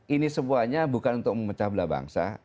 ini semuanya bukan untuk memecah belah bangsa